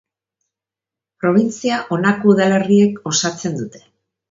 Probintzia honako udalerriek osatzen dute.